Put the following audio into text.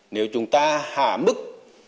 nếu chúng ta hạ mức